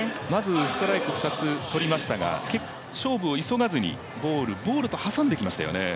ストライク、２つ、とりましたが、勝負を急がずにボール、ボールと挟んできましたよね。